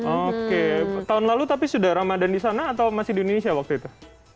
oke tahun lalu tapi sudah ramadan di sana atau masih di indonesia waktu itu